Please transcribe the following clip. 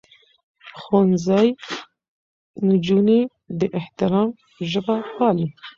ښوونځی نجونې د احترام ژبه پالي.